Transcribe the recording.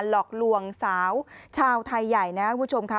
หลอกลวงสาวชาวไทยใหญ่นะครับคุณผู้ชมค่ะ